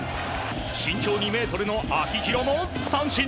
身長２ｍの秋広も三振。